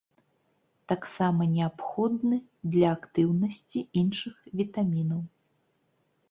Таксама неабходны для актыўнасці іншых вітамінаў.